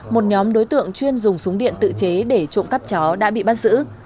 một nhóm đối tượng chuyên dùng súng điện tự chế để trộm cắp chó đã bị bắt giữ